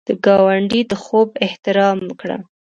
د ګاونډي د خوب احترام وکړه